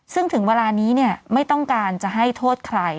ซึ่งถึงเวลานี้ไม่ต้องการจะให้โทษใคร